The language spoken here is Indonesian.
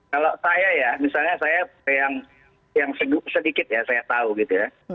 kalau saya ya misalnya saya yang sedikit ya saya tahu gitu ya